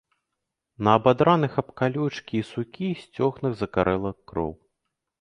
На абадраных аб калючкі і сукі сцёгнах закарэла кроў.